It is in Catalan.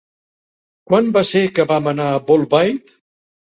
Quan va ser que vam anar a Bolbait?